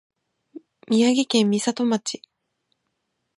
宮城県美里町